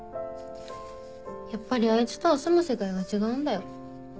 やっぱりあいつとは住む世界が違うんだよ。